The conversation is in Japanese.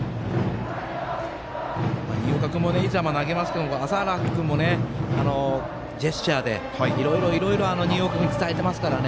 新岡君もいい球投げますけど麻原君もジェスチャーでいろいろ新岡君に伝えていますからね。